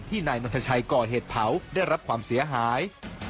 นายนัทชัยก่อเหตุเผาได้รับความเสียหาย